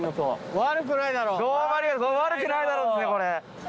「悪くないだろう」ですよこれ。